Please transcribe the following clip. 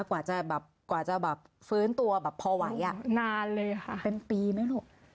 กว่าจะแบบกว่าจะแบบฟื้นตัวแบบพอไหวอ่ะนานเลยค่ะเป็นปีไหมลูก